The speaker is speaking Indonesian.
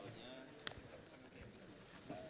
tiga belas lah berarti ya